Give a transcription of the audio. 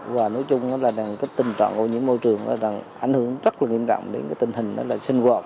và nói chung là tình trạng ô nhiễm môi trường ảnh hưởng rất là nghiêm trọng đến tình hình sinh hoạt cũng như là đời sống của người dân